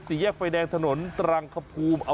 แยกไฟแดงถนนตรังคภูมิ